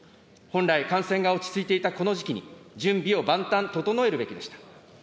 本来、感染が落ち着いていたこの時期に準備を万端整えるべきでした。